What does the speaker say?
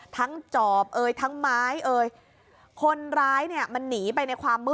ทั้งจอบทั้งไม้